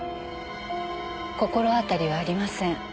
心当たりはありません。